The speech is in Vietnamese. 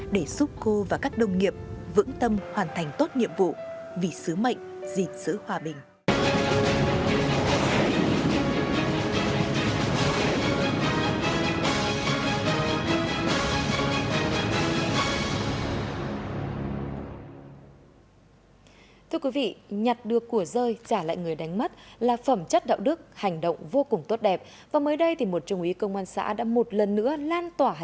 để giúp cô và các đồng nghiệp vững tâm hoàn thành tốt nhiệm vụ vì sứ mệnh gìn sứ hòa bình